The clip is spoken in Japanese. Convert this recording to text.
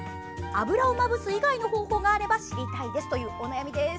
油をまぶす以外の方法があれば知りたいです。」というお悩みです。